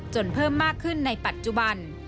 เพิ่มมากขึ้นในปัจจุบัน